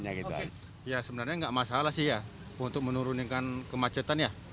ya sebenarnya nggak masalah sih ya untuk menurunkan kemacetan ya